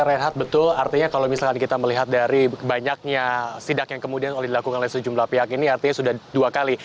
rehat betul artinya kalau misalkan kita melihat dari banyaknya sidak yang kemudian dilakukan oleh sejumlah pihak ini artinya sudah dua kali